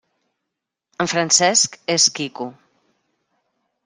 En Francesc és quico.